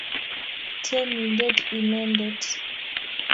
Tienindet inenedet